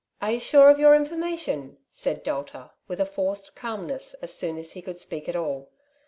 '' Are you sure of your information ?" said Delta, with a forced calmne3S, as soon as he could speak at all.